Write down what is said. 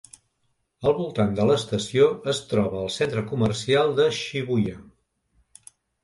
Al voltant de l'estació es troba el centre comercial de Shibuya.